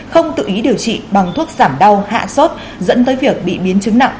không tự ý điều trị bằng thuốc giảm đau hạ sốt dẫn tới việc bị biến chứng nặng